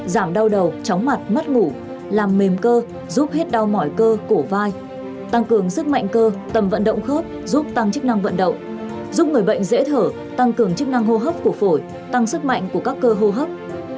giảm đau đầu chóng mặt mất ngủ làm mềm cơ giúp hết đau mỏi cơ cổ vai tăng cường sức mạnh cơ tầm vận động khớp giúp tăng chức năng vận động giúp người bệnh dễ thở tăng cường chức năng hô hấp của phổi tăng sức mạnh của các cơ hô hấp